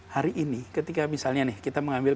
hari ini ketika misalnya nih kita mengambil